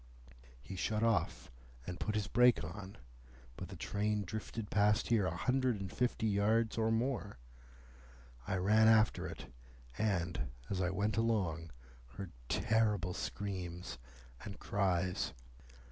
He shut off, and put his brake on, but the train drifted past here a hundred and fifty yards or more. I ran after it, and, as I went along, heard terrible screams and cries.